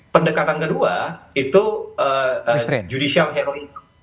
pendekatan kedua itu judicial heroism